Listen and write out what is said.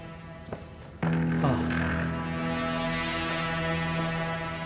ああ。